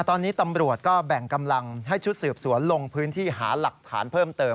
ตอนนี้ตำรวจก็แบ่งกำลังให้ชุดสืบสวนลงพื้นที่หาหลักฐานเพิ่มเติม